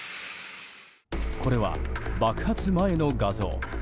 これは爆発前の画像。